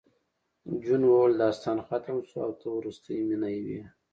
جون وویل داستان ختم شو او ته وروستۍ مینه وې